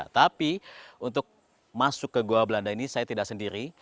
tapi untuk masuk ke goa belanda ini saya tidak sendiri